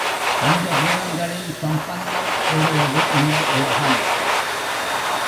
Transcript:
பஞ்ச பூதங்களின் சம்பந்தம் உடையது இந்த உலகம்.